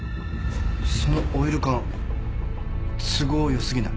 そのオイル缶都合良すぎない？